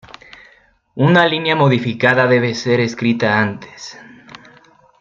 Una línea Modificada debe ser escrita antes.